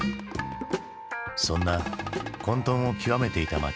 そんな混とんを極めていた街